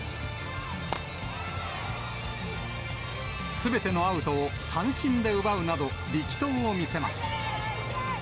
すべてのアウトを三振で奪うなど、力投を見せます。